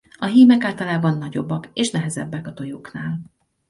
A hímek általában nagyobbak és nehezebbek a tojóknál.